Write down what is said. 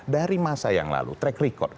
dari masa yang lalu track record